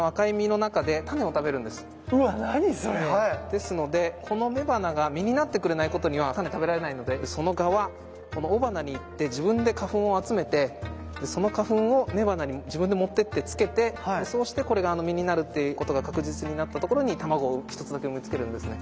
ですのでこの雌花が実になってくれないことにはタネ食べられないのでその蛾はこの雄花に行って自分で花粉を集めてその花粉を雌花に自分で持ってってつけてそうしてこれが実になるっていうことが確実になったところに卵を一つだけ産みつけるんですね。